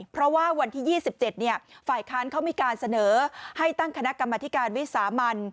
เพราะว่าวันที่๒๗ฝ่ายค้านเขามีการเสนอให้ตั้งคณะกรรมธิการวิสามัน